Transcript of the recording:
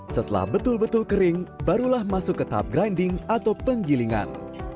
setelah betul betul kering barulah masuk ke tahap grinding atau penggilingan